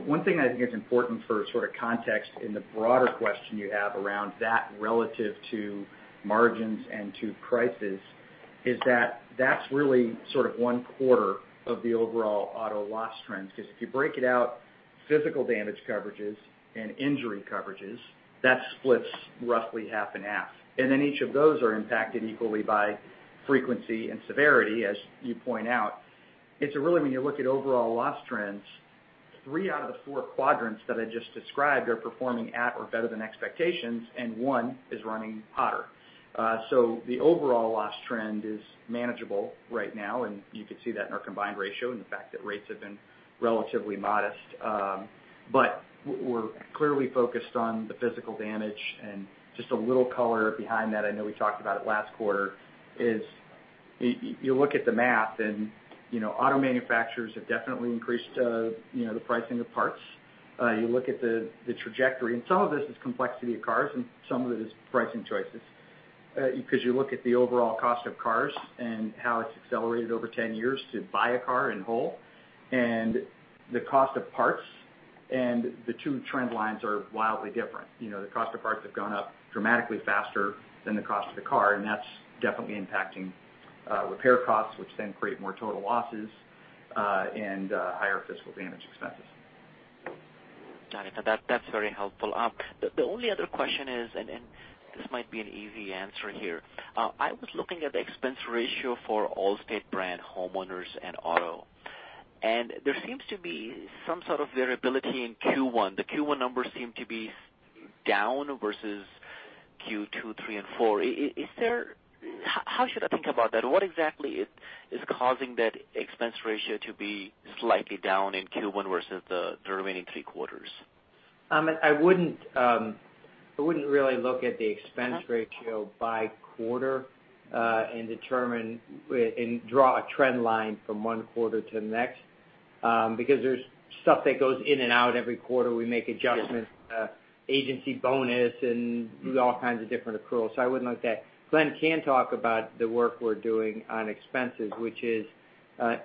One thing I think is important for sort of context in the broader question you have around that relative to margins and to prices is that that's really sort of one quarter of the overall auto loss trends, because if you break it out, physical damage coverages and injury coverages, that splits roughly half and half. Each of those are impacted equally by frequency and severity, as you point out. It's really when you look at overall loss trends Three out of the four quadrants that I just described are performing at or better than expectations, and one is running hotter. The overall loss trend is manageable right now, and you could see that in our combined ratio and the fact that rates have been relatively modest. We're clearly focused on the physical damage and just a little color behind that, I know we talked about it last quarter, is you look at the math and auto manufacturers have definitely increased the pricing of parts. You look at the trajectory, and some of this is complexity of cars and some of it is pricing choices. Because you look at the overall cost of cars and how it's accelerated over 10 years to buy a car in whole, and the cost of parts and the two trend lines are wildly different. The cost of parts have gone up dramatically faster than the cost of the car, and that's definitely impacting repair costs, which then create more total losses, and higher physical damage expenses. Got it. That's very helpful. The only other question is, this might be an easy answer here. I was looking at the expense ratio for Allstate brand homeowners and auto, there seems to be some sort of variability in Q1. The Q1 numbers seem to be down versus Q2, three and four. How should I think about that? What exactly is causing that expense ratio to be slightly down in Q1 versus the remaining three quarters? Amit, I wouldn't really look at the expense ratio by quarter, determine and draw a trend line from one quarter to the next, because there's stuff that goes in and out every quarter. We make adjustments, agency bonus, and do all kinds of different accruals. I wouldn't look at that. Glenn can talk about the work we're doing on expenses, which is,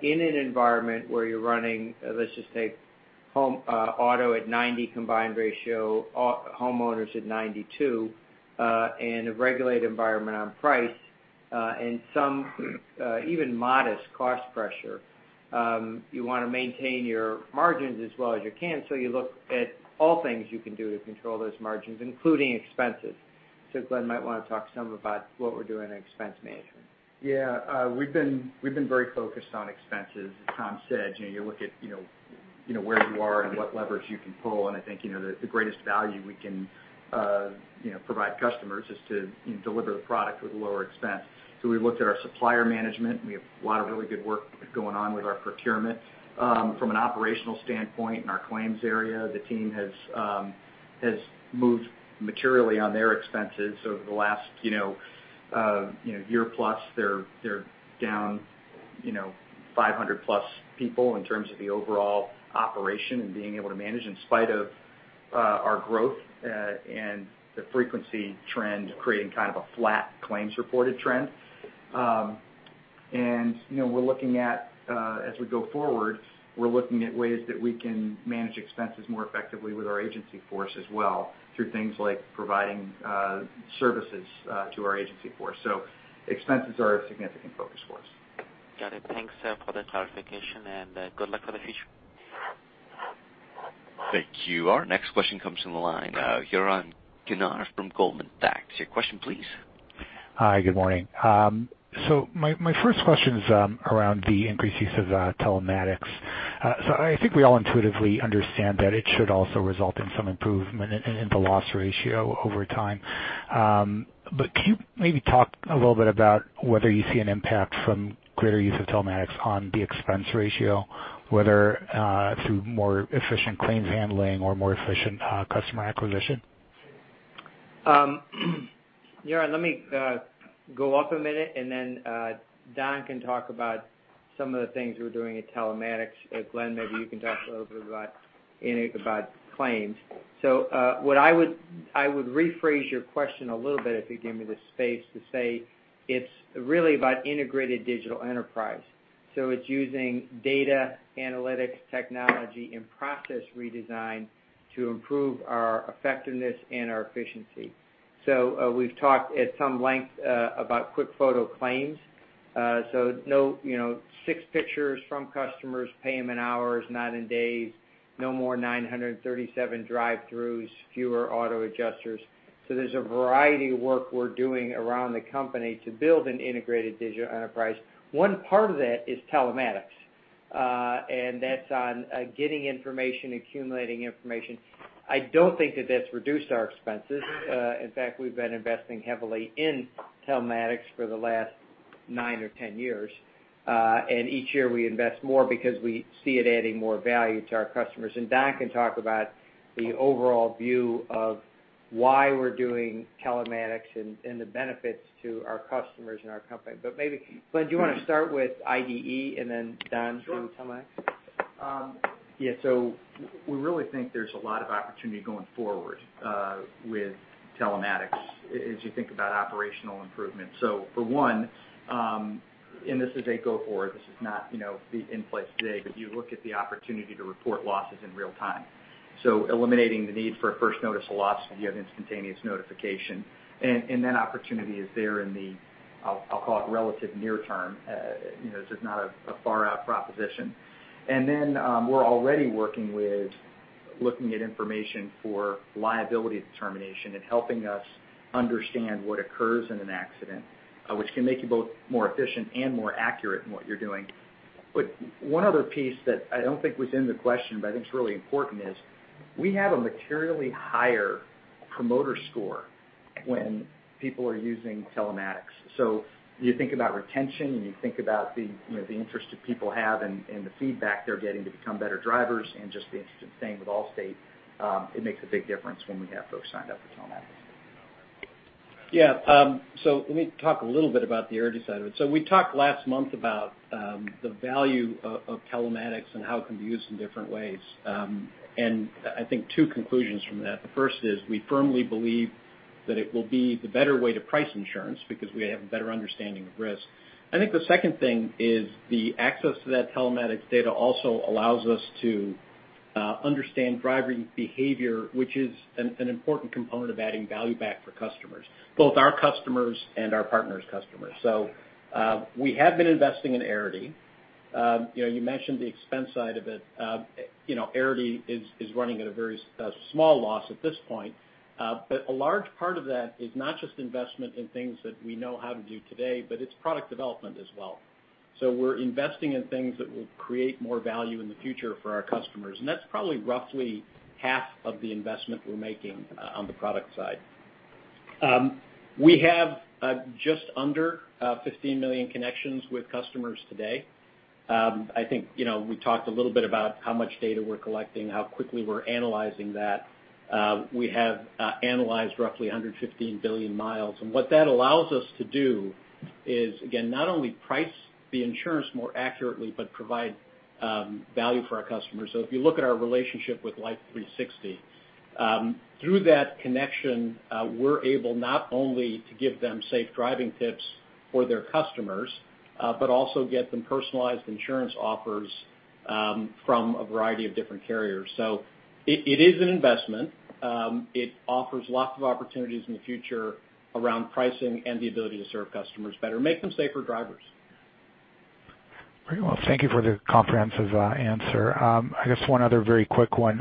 in an environment where you're running, let's just take auto at 90 combined ratio, homeowners at 92, a regulated environment on price, and some even modest cost pressure, you want to maintain your margins as well as you can, you look at all things you can do to control those margins, including expenses. Glenn might want to talk some about what we're doing in expense management. Yeah. We've been very focused on expenses. As Tom said, you look at where you are and what leverage you can pull, I think the greatest value we can provide customers is to deliver the product with lower expense. We looked at our supplier management, and we have a lot of really good work going on with our procurement. From an operational standpoint in our claims area, the team has moved materially on their expenses over the last year plus. They're down 500-plus people in terms of the overall operation and being able to manage in spite of our growth, the frequency trend creating kind of a flat claims reported trend. As we go forward, we're looking at ways that we can manage expenses more effectively with our agency force as well, through things like providing services to our agency force. Expenses are a significant focus for us. Got it. Thanks for the clarification and good luck for the future. Thank you. Our next question comes from the line. Yaron Kinar from Goldman Sachs. Your question, please. Hi, good morning. My first question is around the increased use of telematics. I think we all intuitively understand that it should also result in some improvement in the loss ratio over time. Can you maybe talk a little bit about whether you see an impact from greater use of telematics on the expense ratio, whether through more efficient claims handling or more efficient customer acquisition? Yaron, let me go up a minute, and then Don can talk about some of the things we're doing at telematics. Glenn, maybe you can talk a little bit about claims. I would rephrase your question a little bit, if you give me the space to say it's really about integrated digital enterprise. It's using data analytics technology and process redesign to improve our effectiveness and our efficiency. We've talked at some length about QuickFoto claims. Six pictures from customers, pay them in hours, not in days, no more 937 drive-throughs, fewer auto adjusters. There's a variety of work we're doing around the company to build an integrated digital enterprise. One part of that is telematics, and that's on getting information, accumulating information. I don't think that that's reduced our expenses. In fact, we've been investing heavily in telematics for the last nine or 10 years. Each year we invest more because we see it adding more value to our customers. Don can talk about the overall view of why we're doing telematics and the benefits to our customers and our company. Maybe, Glenn, do you want to start with IDE and then Don do telematics? Sure. Yeah, we really think there's a lot of opportunity going forward, with telematics as you think about operational improvement. For one, and this is a go forward, this is not the in place today, but you look at the opportunity to report losses in real time. Eliminating the need for a first notice of loss if you have instantaneous notification. That opportunity is there in the, I'll call it relative near term. This is not a far-out proposition. Then, we're already working with Looking at information for liability determination and helping us understand what occurs in an accident, which can make you both more efficient and more accurate in what you're doing. One other piece that I don't think was in the question, but I think is really important is we have a materially higher promoter score when people are using telematics. You think about retention, and you think about the interest that people have and the feedback they're getting to become better drivers, and just the interest in staying with Allstate, it makes a big difference when we have folks signed up for telematics. Yeah. Let me talk a little bit about the energy side of it. We talked last month about the value of telematics and how it can be used in different ways. I think two conclusions from that. The first is we firmly believe that it will be the better way to price insurance because we have a better understanding of risk. I think the second thing is the access to that telematics data also allows us to understand driver behavior, which is an important component of adding value back for customers, both our customers and our partners' customers. We have been investing in Arity. You mentioned the expense side of it. Arity is running at a very small loss at this point. A large part of that is not just investment in things that we know how to do today, but it's product development as well. We're investing in things that will create more value in the future for our customers, and that's probably roughly half of the investment we're making on the product side. We have just under 15 million connections with customers today. I think we talked a little bit about how much data we're collecting, how quickly we're analyzing that. We have analyzed roughly 115 billion miles. What that allows us to do is, again, not only price the insurance more accurately but provide value for our customers. If you look at our relationship with Life360, through that connection, we're able not only to give them safe driving tips for their customers but also get them personalized insurance offers from a variety of different carriers. It is an investment. It offers lots of opportunities in the future around pricing and the ability to serve customers better, make them safer drivers. Very well. Thank you for the comprehensive answer. I guess one other very quick one.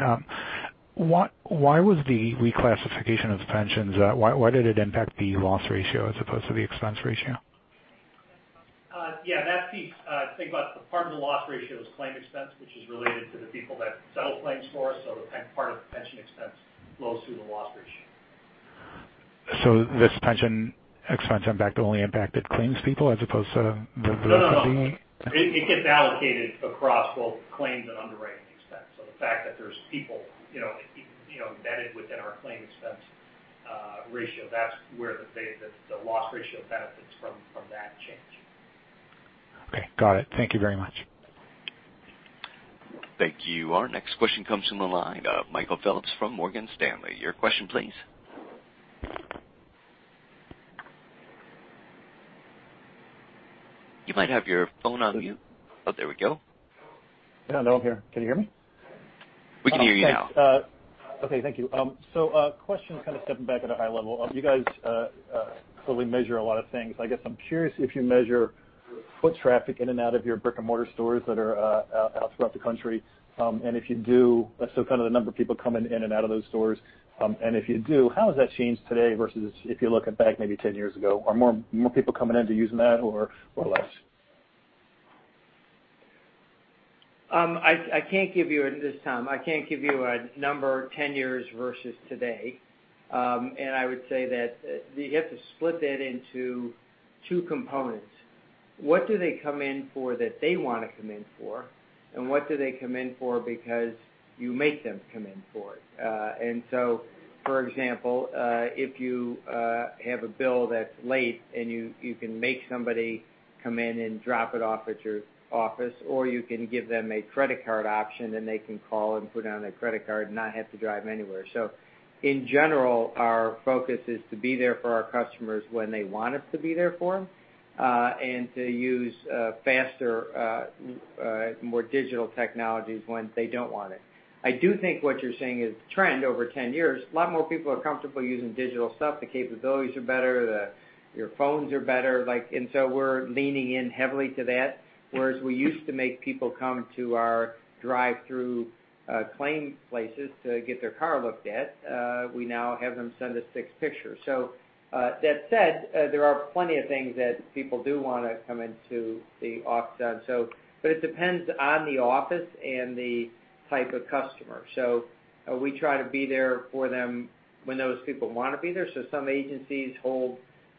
Why was the reclassification of pensions, why did it impact the loss ratio as opposed to the expense ratio? Yeah, that piece, think about part of the loss ratio is claim expense, which is related to the people that settle claims for us, part of the pension expense flows through the loss ratio. This pension expense impact only impacted claims people as opposed to the. No. It gets allocated across both claims and underwriting expense. The fact that there's people embedded within our claim expense ratio, that's where the loss ratio benefits from that change. Okay, got it. Thank you very much. Thank you. Our next question comes from the line of Michael Phillips from Morgan Stanley. Your question, please. You might have your phone on mute. Oh, there we go. Yeah, no, I'm here. Can you hear me? We can hear you now. Okay, thank you. Question stepping back at a high level. You guys certainly measure a lot of things. I guess I'm curious if you measure foot traffic in and out of your brick-and-mortar stores that are out throughout the country. If you do, the number of people coming in and out of those stores, and if you do, how has that changed today versus if you're looking back maybe 10 years ago? Are more people coming in to use them now or less? I can't give you this, Tom. I can't give you a number 10 years versus today. I would say that you have to split that into two components. What do they come in for that they want to come in for, and what do they come in for because you make them come in for it? For example, if you have a bill that's late, and you can make somebody come in and drop it off at your office, or you can give them a credit card option, and they can call and put down a credit card and not have to drive anywhere. In general, our focus is to be there for our customers when they want us to be there for them, and to use faster, more digital technologies when they don't want it. I do think what you're saying is a trend over 10 years. A lot more people are comfortable using digital stuff. The capabilities are better. Your phones are better. We're leaning in heavily to that. Whereas we used to make people come to our drive-through claim places to get their car looked at, we now have them send us six pictures. That said, there are plenty of things that people do want to come into the office. It depends on the office and the type of customer. We try to be there for them when those people want to be there. Some agencies hold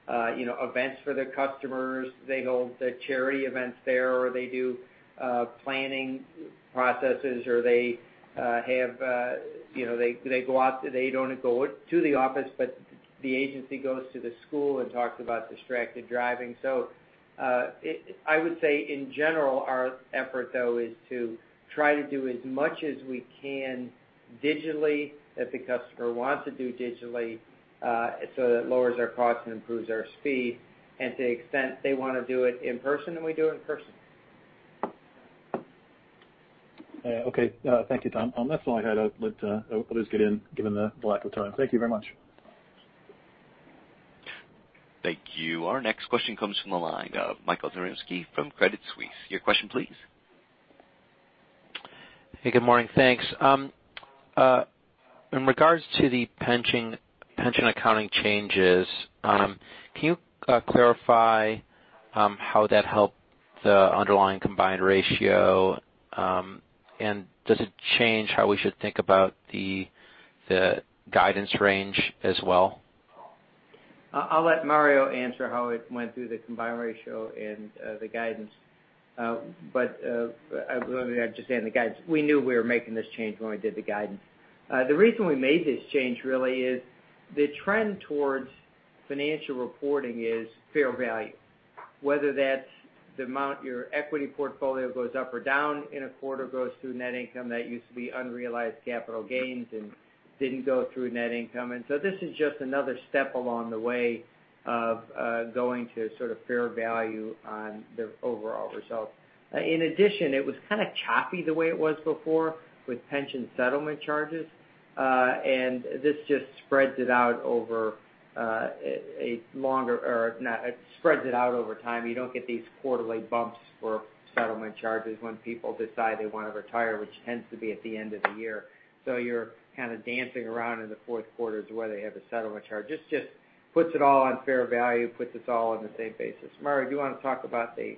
events for their customers. They hold their charity events there, or they do planning processes, or they don't go to the office, but the agency goes to the school and talks about distracted driving. I would say, in general, our effort, though, is to try to do as much as we can digitally if the customer wants to do digitally, so that it lowers our cost and improves our speed. To the extent they want to do it in person, then we do it in person. Okay. Thank you, Tom. That's all I had. I'll just get in, given the lack of time. Thank you very much. Thank you. Our next question comes from the line of Michael Zaremski from Credit Suisse. Your question, please. Hey, good morning. Thanks. In regards to the pension accounting changes, can you clarify how that helped the underlying combined ratio? Does it change how we should think about the guidance range as well? I'll let Mario answer how it went through the combined ratio and the guidance. I was going to just add the guidance. We knew we were making this change when we did the guidance. The reason we made this change really is the trend towards financial reporting is fair value. Whether that's the amount your equity portfolio goes up or down in a quarter, goes through net income that used to be unrealized capital gains and didn't go through net income. This is just another step along the way of going to sort of fair value on the overall results. In addition, it was kind of choppy the way it was before with pension settlement charges. This just spreads it out over time. You don't get these quarterly bumps for settlement charges when people decide they want to retire, which tends to be at the end of the year. You're kind of dancing around in the fourth quarters where they have a settlement charge. This just puts it all on fair value, puts us all on the same basis. Mario, do you want to talk about the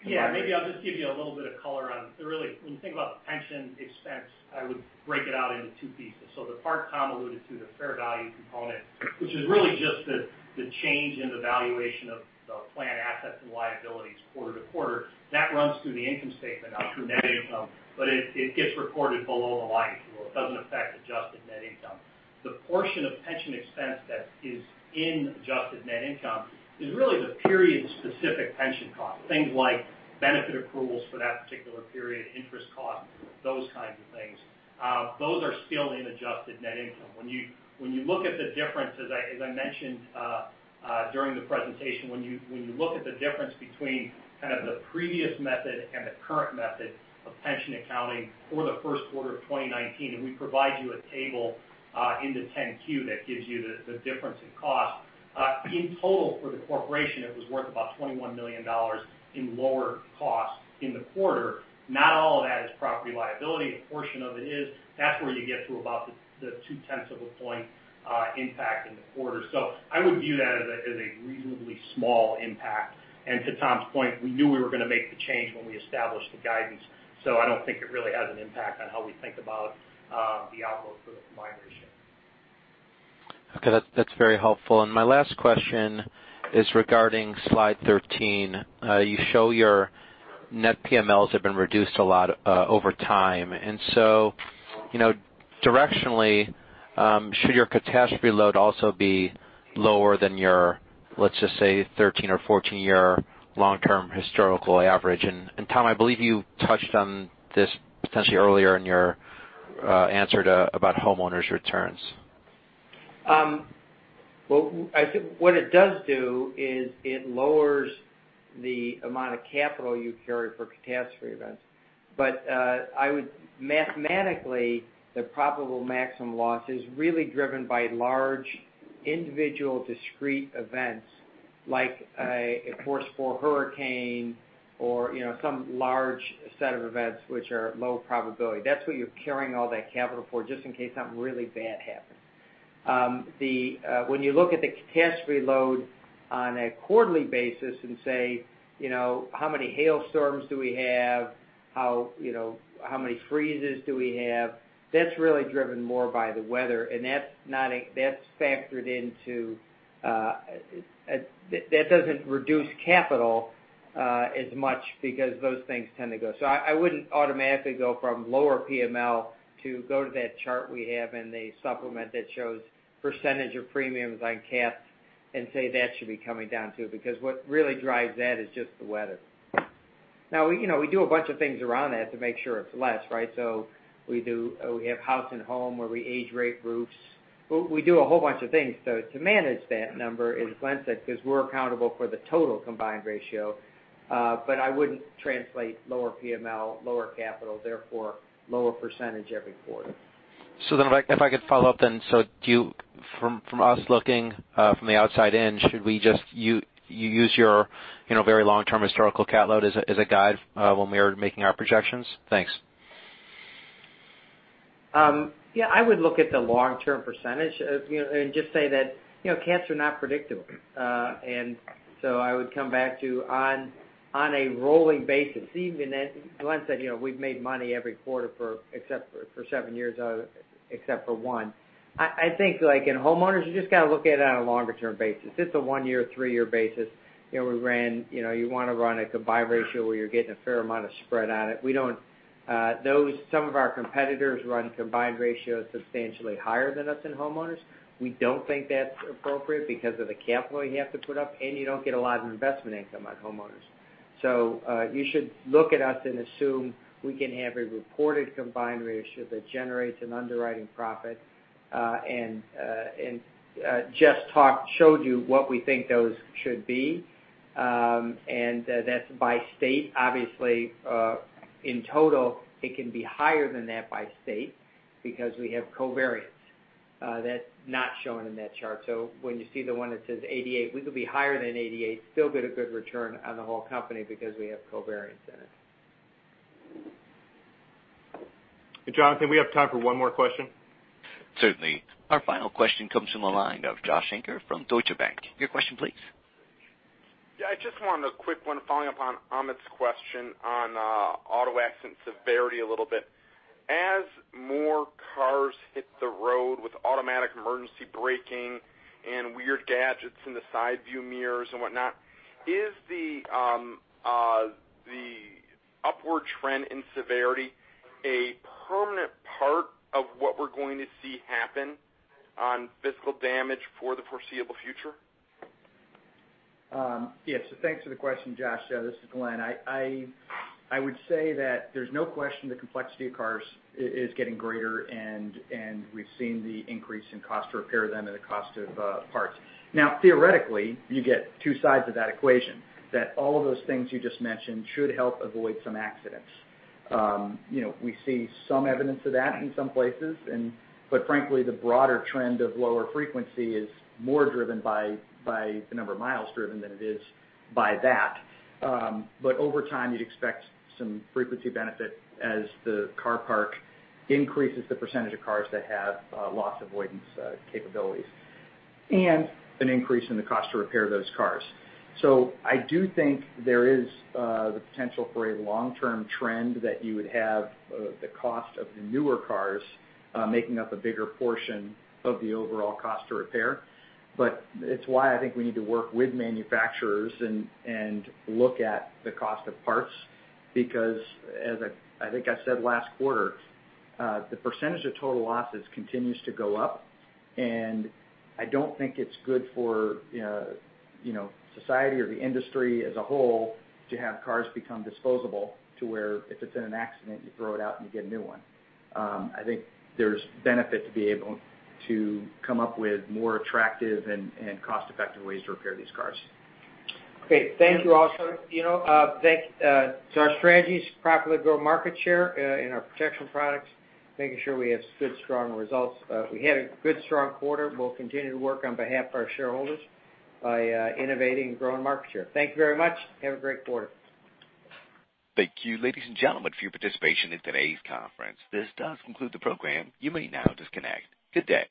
combined ratio? Maybe I'll just give you a little bit of color on, when you think about the pension expense, I would break it out into two pieces. The part Tom alluded to, the fair value component, which is just the change in the valuation of the plan assets and liabilities quarter to quarter. That runs through the income statement, not through net income, but it gets recorded below the line. It doesn't affect adjusted net income. The portion of pension expense that is in adjusted net income is the period-specific pension cost. Things like benefit accruals for that particular period, interest costs, those kinds of things. Those are still in adjusted net income. When you look at the difference, as I mentioned during the presentation, when you look at the difference between kind of the previous method and the current method of pension accounting for the first quarter of 2019, we provide you a table in the 10-Q that gives you the difference in cost. In total for the corporation, it was worth about $21 million in lower cost in the quarter. Not all of that is property liability. A portion of it is. That's where you get to about the two-tenths of a point impact in the quarter. I would view that as a reasonably small impact. To Tom's point, we knew we were going to make the change when we established the guidance. I don't think it really has an impact on how we think about the outlook for the combined ratio. Okay. That's very helpful. My last question is regarding slide 13. You show your net PMLs have been reduced a lot over time. Directionally, should your catastrophe load also be lower than your, let's just say, 13 or 14-year long-term historical average? Tom, I believe you touched on this potentially earlier in your answer about homeowners' returns. Well, I think what it does do is it lowers the amount of capital you carry for catastrophe events. Mathematically, the probable maximum loss is really driven by large individual discrete events like a Category 4 hurricane or some large set of events which are low probability. That's what you're carrying all that capital for, just in case something really bad happens. When you look at the catastrophe load on a quarterly basis and say, how many hailstorms do we have? How many freezes do we have? That's really driven more by the weather. That doesn't reduce capital as much because those things tend to go. I wouldn't automatically go from lower PML to go to that chart we have in the supplement that shows percentage of premiums on cats and say, "That should be coming down too." What really drives that is just the weather. Now, we do a bunch of things around that to make sure it's less, right? We have house and home where we age rate groups. We do a whole bunch of things to manage that number as Glenn said because we're accountable for the total combined ratio. I wouldn't translate lower PML, lower capital, therefore lower percentage every quarter. If I could follow up then. From us looking from the outside in, should we just use your very long-term historical cat load as a guide when we are making our projections? Thanks. Yeah, I would look at the long-term percentage and just say that cats are not predictable. I would come back to on a rolling basis, even Glenn said we've made money every quarter for seven years, except for one. I think in homeowners, you just got to look at it on a longer-term basis. It's a one-year, three-year basis. You want to run a combined ratio where you're getting a fair amount of spread on it. Some of our competitors run combined ratios substantially higher than us in homeowners. We don't think that's appropriate because of the capital you have to put up, and you don't get a lot of investment income on homeowners. You should look at us and assume we can have a reported combined ratio that generates an underwriting profit. Jess showed you what we think those should be. That's by state. Obviously, in total, it can be higher than that by state. We have covariance that's not shown in that chart. When you see the one that says 88, we could be higher than 88, still get a good return on the whole company because we have covariance in it. Jonathan, we have time for one more question. Certainly. Our final question comes from the line of Josh Shanker from Deutsche Bank. Your question, please. Yeah, I just wanted a quick one following up on Amit's question on auto accident severity a little bit. As more cars hit the road with automatic emergency braking and weird gadgets in the side view mirrors and whatnot, is the upward trend in severity a permanent part of what we're going to see happen on physical damage for the foreseeable future? Yes. Thanks for the question, Josh. Yeah, this is Glenn. I would say that there's no question the complexity of cars is getting greater and we've seen the increase in cost to repair them and the cost of parts. Now, theoretically, you get two sides of that equation, that all of those things you just mentioned should help avoid some accidents. We see some evidence of that in some places, but frankly, the broader trend of lower frequency is more driven by the number of miles driven than it is by that. Over time, you'd expect some frequency benefit as the car park increases the percentage of cars that have loss avoidance capabilities, and an increase in the cost to repair those cars. I do think there is the potential for a long-term trend that you would have the cost of the newer cars making up a bigger portion of the overall cost to repair. It's why I think we need to work with manufacturers and look at the cost of parts, because as I think I said last quarter, the percentage of total losses continues to go up, and I don't think it's good for society or the industry as a whole to have cars become disposable to where if it's in an accident, you throw it out and you get a new one. I think there's benefit to be able to come up with more attractive and cost-effective ways to repair these cars. Thank you all. Our strategy is to properly grow market share in our protection products, making sure we have good, strong results. We had a good, strong quarter. We'll continue to work on behalf of our shareholders by innovating and growing market share. Thank you very much. Have a great quarter. Thank you, ladies and gentlemen, for your participation in today's conference. This does conclude the program. You may now disconnect. Good day.